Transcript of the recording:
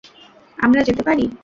আমরা যেতে পারি?